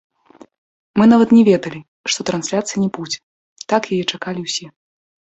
Мы нават не ведалі, што трансляцыі не будзе, так яе чакалі ўсе.